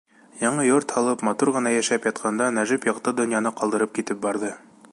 Яңы йорт һалып, матур ғына йәшәп ятҡанда, Нәжип яҡты донъяны ҡалдырып китеп барҙы.